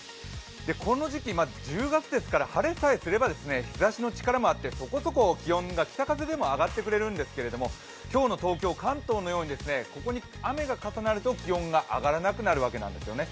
この時期、１０月ですから晴れさえすれば日ざしの力もあってそこそこ気温が、北風でも上がってくれるんですけど今日の東京、関東のようにここに雨が重なると気温が上がらなくなるわけなんですね。